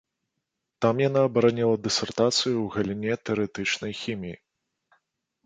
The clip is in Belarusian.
Там яна абараніла дысертацыю ў галіне тэарэтычнай хіміі.